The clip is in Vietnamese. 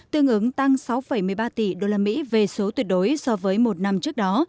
tương ứng tăng sáu một mươi ba tỷ usd về số tuyệt đối so với một năm trước đó